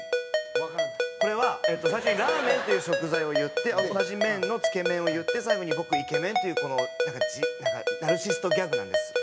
これはえっと最初にラーメンっていう食材を言って同じ麺のつけ麺を言って最後に僕イケメンというこのなんかナルシストギャグなんです。